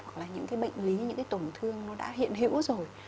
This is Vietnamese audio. hoặc là những cái bệnh lý những cái tổn thương nó đã hiện hữu rồi